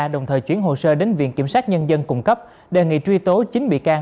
đồng thời chuyển hồ sơ đến viện kiểm sát nhân dân cung cấp đề nghị truy tố chín bị can